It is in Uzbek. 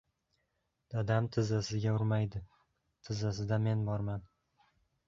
Dadam tizzasiga urmaydi, tizzasida men borman.